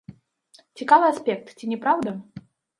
Цікавы аспект, ці не праўда?